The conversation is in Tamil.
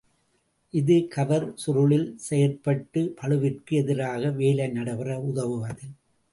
இது கவர் சுருளில் செயற்பட்டுப் பளுவிற்கு எதிராக வேலை நடைபெற உதவுவது.